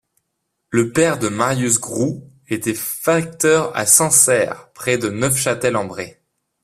Le père de Marius Grout était facteur à Saint-Saire, près de Neufchâtel-en-Bray.